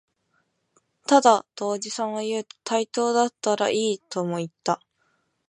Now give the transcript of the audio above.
ただ、とおじさんは言うと、灯台だったらいい、とも言った